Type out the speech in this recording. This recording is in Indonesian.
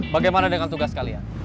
bagaimana dengan tugas kalian